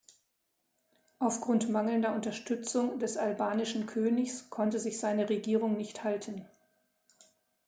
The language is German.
Aufgrund mangelnder Unterstützung des albanischen Königs konnte sich seine Regierung nicht halten.